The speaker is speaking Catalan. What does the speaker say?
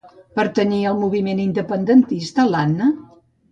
Pertanyia al moviment independentista l'Anna?